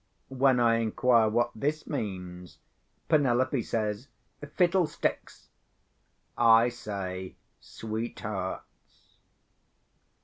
When I inquire what this means, Penelope says, "Fiddlesticks!" I say, Sweethearts.